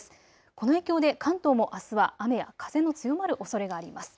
この影響で関東もあすは雨や風の強まるおそれがあります。